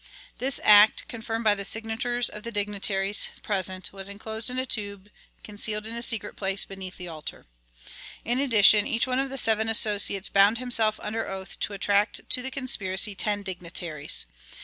This act, confirmed by the signatures of the dignitaries present, was enclosed in a tube and concealed in a secret place beneath the altar. In addition, each one of the seven associates bound himself under oath to attract to the conspiracy ten dignitaries.